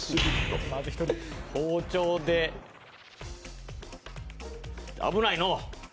包丁で危ないのう！